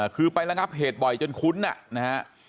คือไปแล้วครับเหตุบ่อยจนคุ้นน่ะ